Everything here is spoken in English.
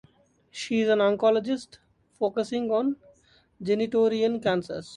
She is an oncologist focusing on genitourinary cancers.